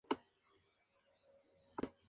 George Francis Carr Jr.